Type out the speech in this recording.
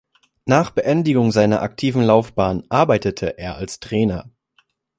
Nach Beendigung seiner aktiven Laufbahn arbeitete er als Trainer.